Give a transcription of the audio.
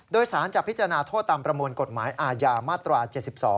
โดยสารจะพิจารณาโทษตามประมวลกฎหมายอาญามาตรา๗๒